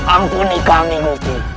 ampuni kami gusti